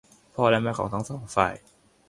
พ่อและแม่ของทั้งสองฝ่าย